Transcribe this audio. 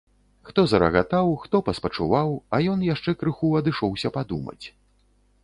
Хто зарагатаў, хто паспачуваў, а ён яшчэ крыху адышоўся падумаць.